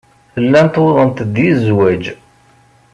Llant uwḍent-d i zzwaj.